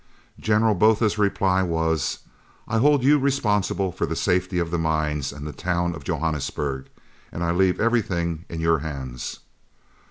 General Botha's reply was: "I hold you responsible for the safety of the mines and the town of Johannesburg, and I leave everything in your hands."